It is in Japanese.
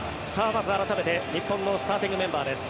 まず改めて日本のスターティングメンバーです。